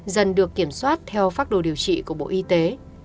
dần được kiểm soát theo phác đồ điều trị của bộ y tế